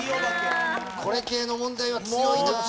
これ系の問題は強いなあ。